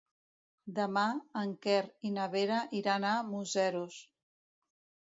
Demà en Quer i na Vera iran a Museros.